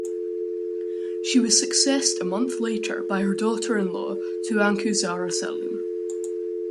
She was successed a month later by her daughter in-law, Tuanku Zara Salim.